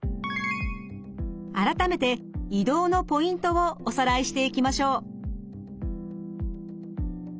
改めて移動のポイントをおさらいしていきましょう。